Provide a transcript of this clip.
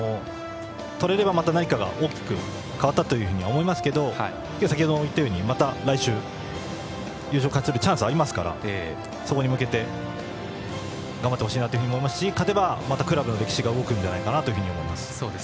とれれば何かが大きく変わったというふうに思いますけど先程も言ったように、また来週優勝をつかむチャンスがありますからそこに向けて頑張ってほしいと思いますし勝てば、またクラブの歴史が動くんじゃないかなと思います。